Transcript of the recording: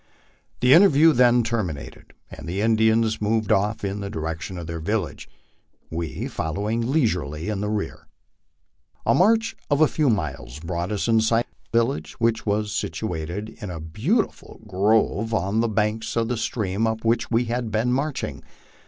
The interview then terminated, and the Indians moved off in the direction of their village, we following leisurely in rear. A march of a few miles brought us in sight of the village, which was situ ated in a beautiful grove on the banks of the stream up which we had been marching.